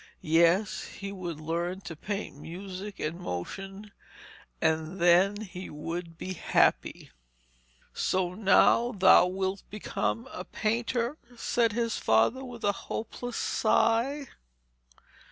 Yes, he would learn to paint music and motion, and then he would be happy. 'So now thou wilt become a painter,' said his father, with a hopeless sigh.